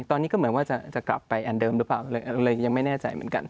ตอนนี้ก็เหมือนว่าจะกลับไปอันเดิมหรือเปล่าเลยยังไม่แน่ใจเหมือนกัน